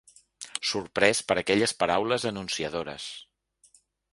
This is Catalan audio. Sorprès per aquelles paraules anunciadores